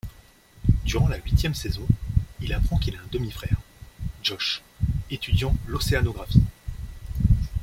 Durant la huitième saison, il apprend qu'il a un demi-frère, Josh, étudiant l'océanographie.